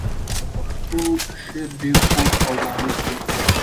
د پښتو شعر ډېر خوږ او مانیز دی.